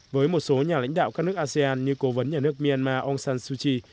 với một số nhà lãnh đạo các nước asean như cố vấn nhà nước myanmar aung san suu kyi